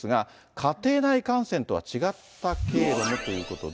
家庭内感染とは違った経路もということで。